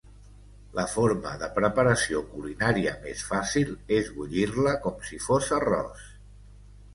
La forma de preparació culinària més fàcil és bullir-la com si fos arròs.